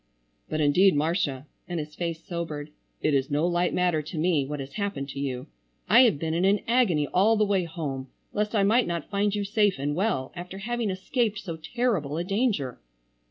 "But, indeed, Marcia," and his face sobered, "it is no light matter to me, what has happened to you. I have been in an agony all the way home lest I might not find you safe and well after having escaped so terrible a danger."